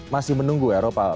masih menunggu eropa